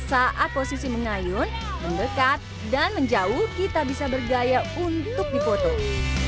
saat posisi mengayun mendekat dan menjauh kita bisa bergaya untuk dipotong